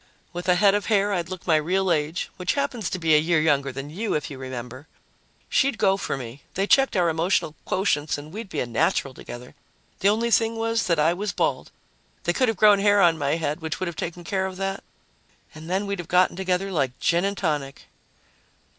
"With a head of hair, I'd look my real age, which happens to be a year younger than you, if you remember. She'd go for me they checked our emotional quotients and we'd be a natural together. The only thing was that I was bald. They could have grown hair on my head, which would have taken care of that, and then we'd have gotten together like gin and tonic."